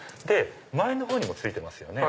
前のほうにも付いてますよね。